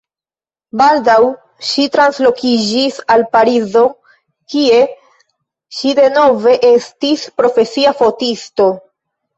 Baldaŭ ŝi translokiĝis al Parizo, kie ŝi denove estis profesia fotisto.